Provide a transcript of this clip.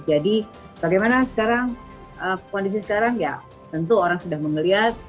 jadi bagaimana sekarang kondisi sekarang ya tentu orang sudah melihat